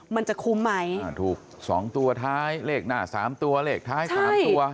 มันจะคุ้มไหมถูก๒ตัวท้ายเลขหน้า๓ตัวเลขท้าย๓ตัว